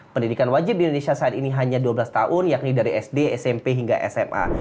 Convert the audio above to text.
pendidikan wajib di indonesia saat ini hanya dua belas tahun yakni dari sd smp hingga sma